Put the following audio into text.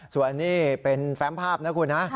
ส่วนอันนี้เป็นแฟมภาพนะคุณนะ